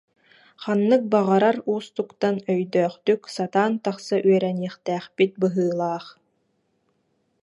Ханнык баҕарар уустуктан өйдөөхтүк сатаан тахса үөрэниэхтээхпит быһыылаах